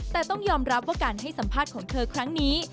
แต่ต้องยอมรับว่าการให้สัมภาษณ์ของเธอครั้งนี้